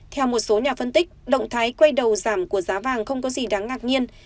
theo một số nhà phân tích động thái quay đầu giảm của giá vàng không có gì đáng ngạc nhiên